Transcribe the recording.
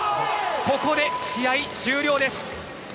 ここで試合終了です。